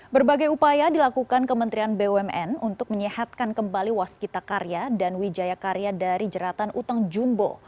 berbagai upaya dilakukan kementerian bumn untuk menyehatkan kembali waskita karya dan wijaya karya dari jeratan utang jumbo